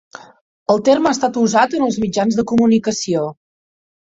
El terme ha estat usat en els mitjans de comunicació.